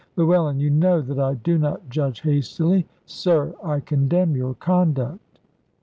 Llewellyn, you know that I do not judge hastily. Sir, I condemn your conduct."